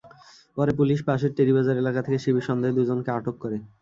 পরে পুলিশ পাশের টেরিবাজার এলাকা থেকে শিবির সন্দেহে দুজনকে আটক করে।